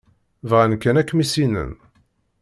Bɣan kan ad kem-issinen.